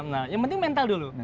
nah yang penting mental dulu